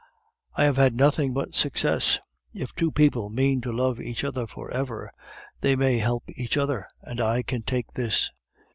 "I have had nothing but success! If two people mean to love each other for ever, they may help each other, and I can take this.